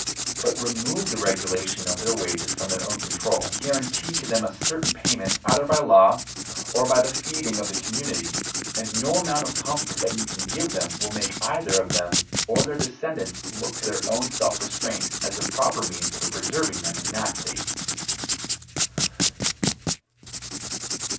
But remove the regulation of their wages from their own control; guarantee to them a certain payment, either by law or by the feeding of the community; and no amount of comfort that you can give them will make either them or their descendants look to their own self restraint as the proper means for preserving them in that state.